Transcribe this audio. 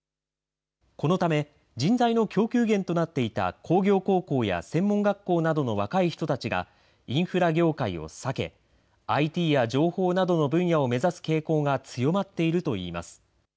このため、人材の供給源となっていた工業高校や専門学校などの若い人たちが、インフラ業界を避け、ＩＴや情報などの分野を目指す傾向が強まっているといいます。